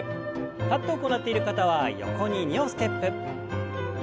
立って行っている方は横に２歩ステップ。